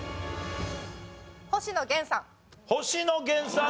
星野源さん